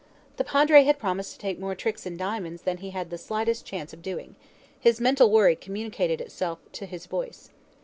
The Padre had promised to take more tricks in diamonds than he had the slightest chance of doing. His mental worry communicated itself to his voice.